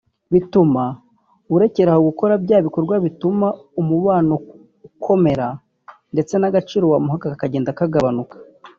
bituma urekeraho gukora bya bikorwa bituma umubano ukomera ndetse n’agaciro wamuhaga kakagenda kagabanuka